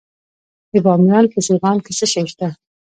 د بامیان په سیغان کې څه شی شته؟